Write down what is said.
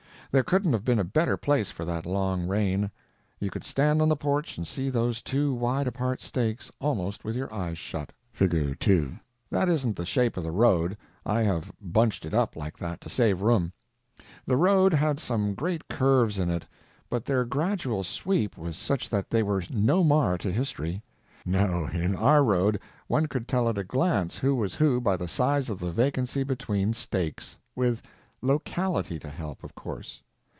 There couldn't have been a better place for that long reign; you could stand on the porch and see those two wide apart stakes almost with your eyes shut. (Fig. 2.) That isn't the shape of the road—I have bunched it up like that to save room. The road had some great curves in it, but their gradual sweep was such that they were no mar to history. No, in our road one could tell at a glance who was who by the size of the vacancy between stakes—with _locality _to help, of course.